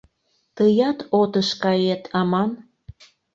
— Тыят отыш кает аман?